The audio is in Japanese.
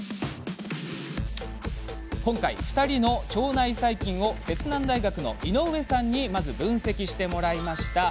今回２人の腸内細菌を摂南大学の井上さんに分析してもらいました。